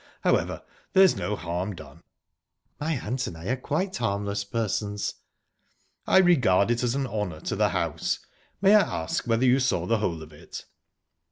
However, there's no harm done." "My aunt and I are quite harmless persons." "I regard it as an honour to the house. May I ask whether you saw the whole of it?"